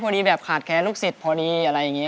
พอดีแบบขาดแค้นลูกศิษย์พอดีอะไรอย่างนี้